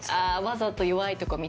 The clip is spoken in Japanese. わざと弱いとこ見たい。